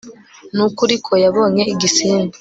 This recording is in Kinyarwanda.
Nukuri ko yabonye igisimba